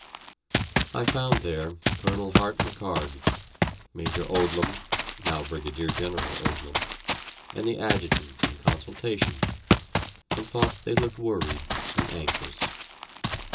I found there Colonel Hart McHarg, Major Odlum (now Brigadier General Odlum), and the Adjutant in consultation, and thought they looked worried and anxious.